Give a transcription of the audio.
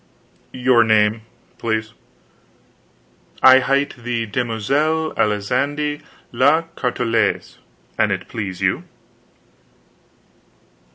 "Your name, please?" "I hight the Demoiselle Alisande la Carteloise, an it please you."